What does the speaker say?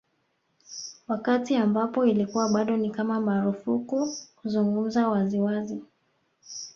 Wakati ambapo ilikuwa bado ni kama marufuku kuzungumza wazi wazi